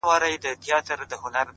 مثبت ذهن فرصتونه جذبوي!